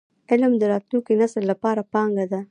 علم د راتلونکي نسل لپاره پانګه ده.